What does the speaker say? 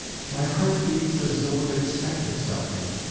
My heart beats as though it expected something.